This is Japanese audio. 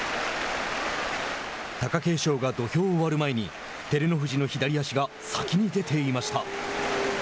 貴景勝が土俵を割る前に照ノ富士の左足が先に出ていました。